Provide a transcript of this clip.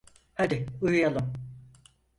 Hadi uyuyalım.